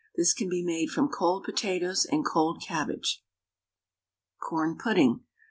This can be made from cold potatoes and cold cabbage. CORN PUDDING.